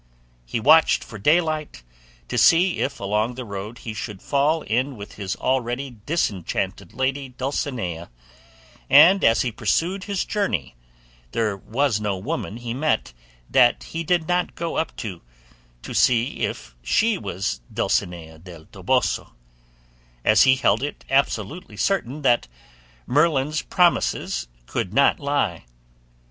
He watched for daylight, to see if along the road he should fall in with his already disenchanted lady Dulcinea; and as he pursued his journey there was no woman he met that he did not go up to, to see if she was Dulcinea del Toboso, as he held it absolutely certain that Merlin's promises could not lie.